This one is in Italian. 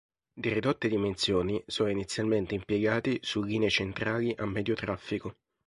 Di ridotte dimensioni sono inizialmente impiegati su linee centrali a medio traffico.